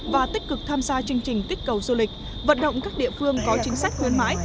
và tích cực tham gia chương trình kích cầu du lịch vận động các địa phương có chính sách khuyến mãi